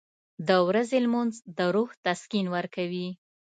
• د ورځې لمونځ د روح تسکین ورکوي.